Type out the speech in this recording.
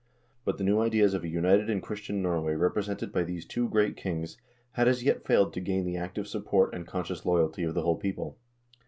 But the new ideas of a united and Christian Norway represented by these two great kings had as yet failed to gain the active support and conscious loyalty of the whole people.